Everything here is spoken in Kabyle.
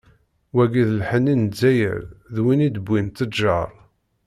Wagi d lḥenni n Lzzayer, d win i d-wwin tteǧǧar.